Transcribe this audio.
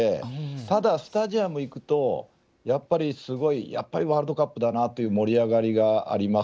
ただ、スタジアムに行くとやっぱりワールドカップだなという盛り上がりがあります。